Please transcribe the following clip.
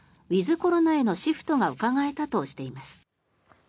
コロナへのシフトがうかがえたとしています。